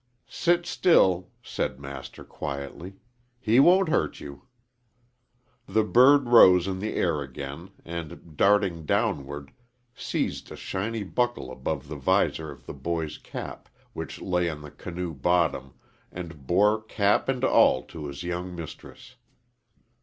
"Sit still," said Master, quietly. "He won't hurt you." The bird rose in the air again, and, darting downward, seized a shiny buckle above the visor of the boy's cap, which lay on the canoe bottom, and bore cap and all to his young mistress.